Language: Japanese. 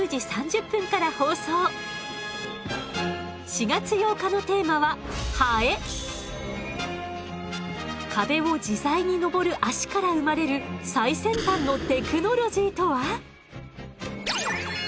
４月８日のテーマは壁を自在に登る脚から生まれる最先端のテクノロジーとは？